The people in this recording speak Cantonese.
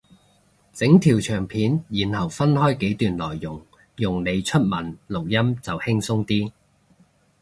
整條長片然後分開幾段內容用嚟出文錄音就輕鬆啲